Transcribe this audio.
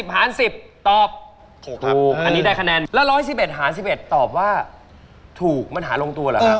๑๗๐หาร๑๐ตอบถูกอันนี้ได้คะแนนแล้ว๑๑๑หาร๑๑ตอบว่าถูกมันหารงตัวหรือคะ